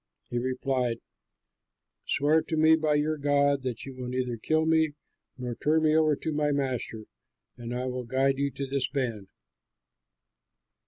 He replied, "Swear to me by your God, that you will neither kill me nor turn me over to my master, and I will guide you to this band."